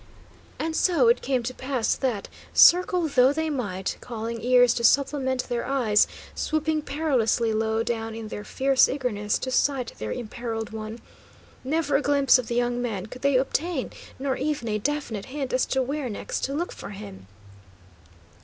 And so it came to pass that, circle though they might, calling ears to supplement their eyes, swooping perilously low down in their fierce eagerness to sight their imperilled one, never a glimpse of the young man could they obtain, nor even a definite hint as to where next to look for him.